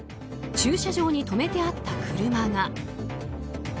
駐車場に止めてあった車が。